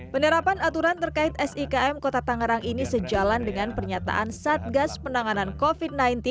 penerapan aturan terkait sikm kota tangerang ini sejalan dengan pernyataan satgas penanganan covid sembilan belas